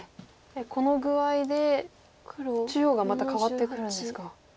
この具合で中央がまた変わってくるんですか。